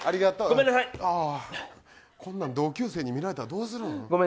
そんなん同級生に見られたらどうするん。